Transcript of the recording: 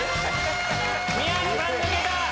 宮野さん抜けた！